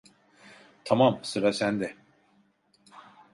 Tamam, sıra sende.